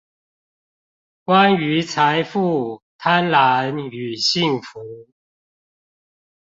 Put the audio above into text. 關於財富、貪婪與幸福